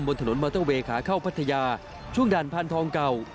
บนถนนมอเตอร์เวย์ขาเข้าพัทยาช่วงด่านพานทองเก่า